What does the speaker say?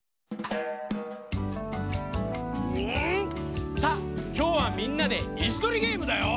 うん！さあきょうはみんなでいすとりゲームだよ。